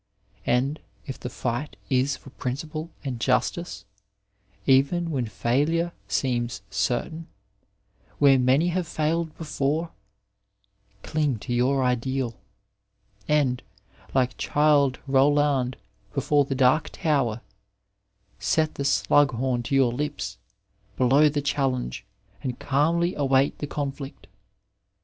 And, if the fight is for principle and justice, even when failure seems certain, where many have failed before, ding to your ideal, and, like Childe Roland 8 Digitized by Google AEQUANIMITAS before the daA tower, set the dug horn to your lips, blow the challenge, and calmly await the conflict.